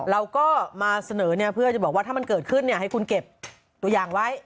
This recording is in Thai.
เราก็มาเสนอเพื่อจะบอกว่าถ้ามันเกิดขึ้นให้คุณเก็บตัวอย่างไว้